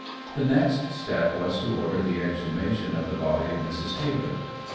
The next step was to order the exhumation of the body of Mrs. Taylor.